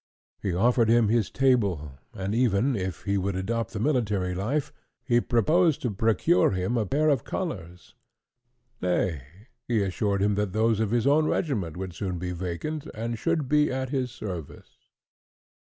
He offered him his table, and even, if he would adopt the military life, he proposed to procure him a pair of colours; nay, he assured him that those of his own regiment would soon be vacant, and should be at his service.